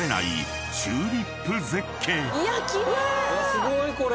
すごいこれ。